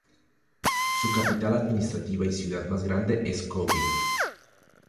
Su capital administrativa y ciudad más grande es Køge.